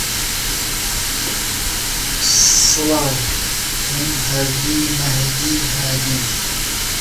ژنێکی ئەڵمانی دەرکەی کردەوە.